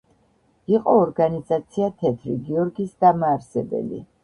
იყო ორგანიზაცია „თეთრი გიორგის“ დამაარსებელი.